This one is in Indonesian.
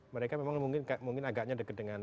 mereka memang mungkin agaknya deket dengan